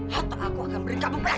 hata aku akan berikabung pelajaran